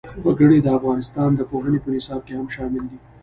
وګړي د افغانستان د پوهنې په نصاب کې هم شامل دي.